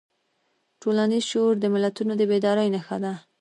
ټولنیز شعور د ملتونو د بیدارۍ نښه ده.